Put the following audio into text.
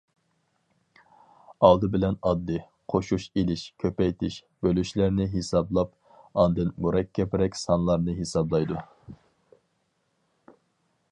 ئالدى بىلەن، ئاددىي قوشۇش، ئېلىش، كۆپەيتىش، بۆلۈشلەرنى ھېسابلاپ، ئاندىن مۇرەككەپرەك سانلارنى ھېسابلايدۇ.